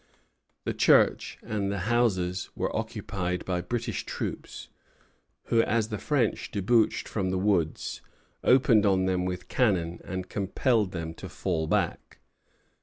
The church and the houses were occupied by British troops, who, as the French debouched from the woods, opened on them with cannon, and compelled them to fall back.